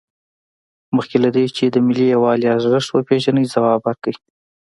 مخکې له دې چې د ملي یووالي ارزښت وپیژنئ ځواب ورکړئ.